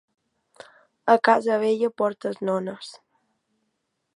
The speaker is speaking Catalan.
A casa vella, portes nones.